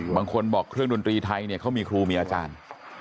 บางคนบอกเครื่องดนตรีไทยเนี่ยเขามีครูมีอาจารย์